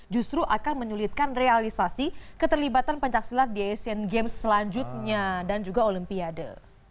justru akan menyulitkan realisasi keterlibatan pencaksilat di asian games selanjutnya dan juga olimpiade